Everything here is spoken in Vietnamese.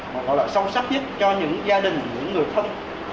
mà gọi là sâu sắc nhất cho những gia đình những người thân